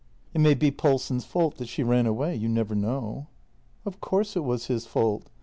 " It may be Paulsen's fault that she ran away — you never know." " Of course it was his fault.